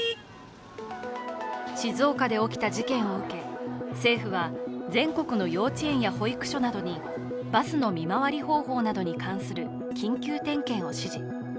静岡で起きた事件を受け、政府は全国の幼稚園や保育所などにバスの見回り方法などに関する緊急点検を指示。